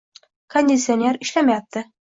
Konditsioner ishlamayapti.